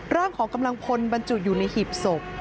ร่างของกำลังพลบรรจุอยู่ในหีบศพ